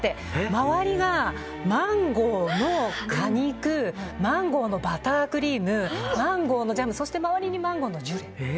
周りがマンゴーの果肉マンゴーのバタークリームマンゴーのジャムそして周りにマンゴーのジュレ。